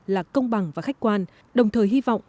là công bằng và khách quan đồng thời hy vọng